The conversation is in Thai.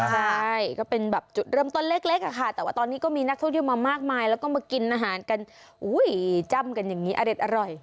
ใช่ก็เป็นแบบจุดเริ่มต้นเล็กค่ะแต่ว่าตอนนี้ก็มีนักท่องเที่ยวมามากมายแล้วก็มากินอาหารกันจ้ำกันอย่างนี้อเด็ดอร่อย